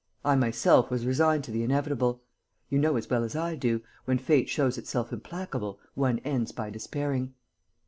I myself was resigned to the inevitable.... You know as well as I do, when fate shows itself implacable, one ends by despairing."